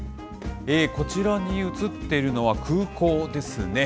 こちらに映っているのは空港ですね。